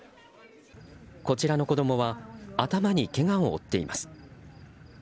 こちらの子供は頭にけがを負っています。